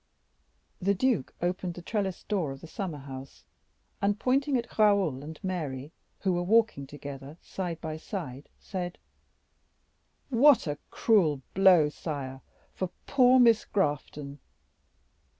The duke opened the trellised door of the summer house, and pointing at Raoul and Mary, who were walking together side by side, said, "What a cruel blow, sire, for poor Miss Grafton!"